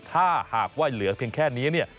ถ้าหากว่าเหลือเพียงแค่นี้เนี่ย